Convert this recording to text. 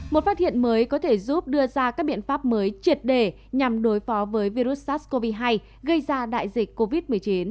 một phát hiện mới có thể giúp đưa ra các biện pháp mới triệt để nhằm đối phó với virus sars cov hai gây ra đại dịch covid một mươi chín